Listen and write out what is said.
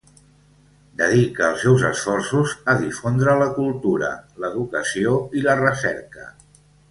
Dedica els seus esforços a difondre la cultura, l'educació i la recerca.